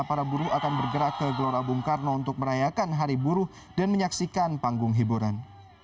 para buruh akan bergerak ke gelora bung karno untuk merayakan hari buruh dan menyaksikan panggung hiburan